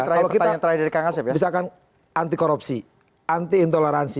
kalau kita misalkan anti korupsi anti intoleransi